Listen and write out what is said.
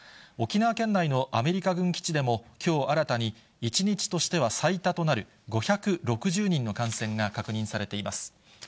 沖縄県内のアメリカ軍基地でもきょう新たに、１日としては最多となる５６０人の感染が確認されています。